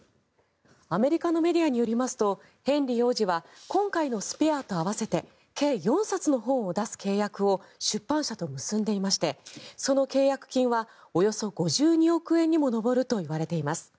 アメリカのメディアによりますとヘンリー王子は今回の「スペア」と合わせて計４冊の本を出す契約を出版社と結んでいましてその契約金はおよそ５２億円にも上るといわれています。